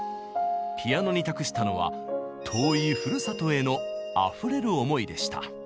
ピアノに託したのは遠いふるさとへのあふれる思いでした。